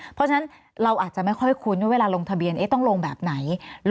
เพราะฉะนั้นเราอาจจะไม่ค่อยคุ้นว่าเวลาลงทะเบียนต้องลงแบบไหน